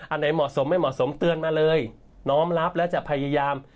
อันไหนเหมาะสมไม่เหมาะสมเตือนมาเลยน้อมรับและจะพยายาม